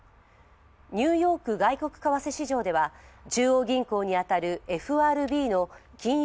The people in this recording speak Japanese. ニューヨーク外国為替市場では中央銀行に当たるＦＲＢの金融